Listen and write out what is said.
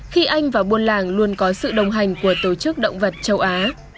khi anh và buôn làng luôn có sự đồng hành của tổ chức động vật châu á